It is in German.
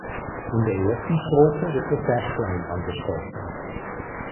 In der ersten Strophe wird das Bächlein angesprochen.